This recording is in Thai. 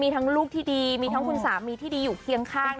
มีทั้งลูกที่ดีมีทั้งคุณสามีที่ดีอยู่เคียงข้าง